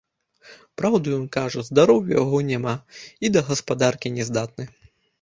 Праўду ён кажа, здароўя ў яго няма, і да гаспадаркі не здатны.